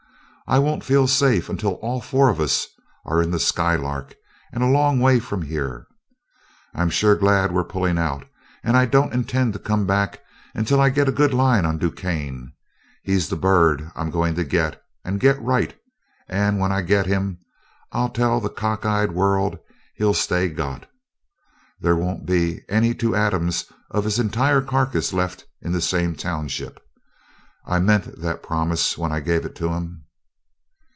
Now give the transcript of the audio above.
I won't feel safe until all four of us are in the Skylark and a long ways from here. I'm sure glad we're pulling out; and I don't intend to come back until I get a good line on DuQuesne. He's the bird I'm going to get, and get right and when I get him I'll tell the cock eyed world he'll stay got. There won't be any two atoms of his entire carcass left in the same township. I meant that promise when I gave it to him!"